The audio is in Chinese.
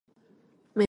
每行一条语句